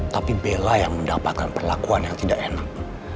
tapi bella yang mendapatkan perlakuan yang tidak enak